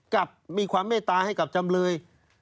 กับมีความเมตตาให้กับจำเลย